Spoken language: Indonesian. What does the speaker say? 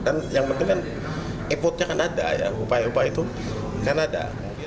dan yang penting kan e vote nya kan ada upaya upaya itu kan ada